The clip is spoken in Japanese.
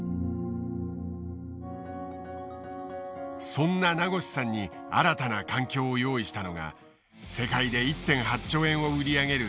そんな名越さんに新たな環境を用意したのが世界で１．８兆円を売り上げる